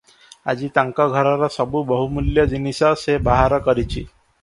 ଆଜି ତାଙ୍କ ଘରର ସବୁ ବହୁ ମୂଲ୍ୟ ଜିନିଶ ସେ ବାହାର କରିଚି ।